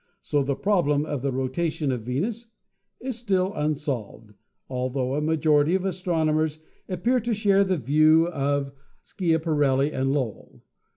So the problem of the rotation of Venus is still unsolved, altho a majority of astronomers appear to share the view of Schiaparelli and Lowell.